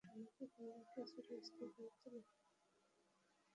বিনয় কহিল, সেইরকম করে ভাবতে গিয়েই তো মানুষ সামাজিক অন্যায়কে চিরস্থায়ী করে তোলে।